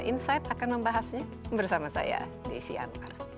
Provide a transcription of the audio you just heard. insight akan membahasnya bersama saya di sian